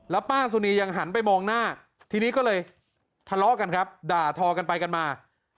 ป้าสุนียังหันไปมองหน้าทีนี้ก็เลยทะเลาะกันครับด่าทอกันไปกันมา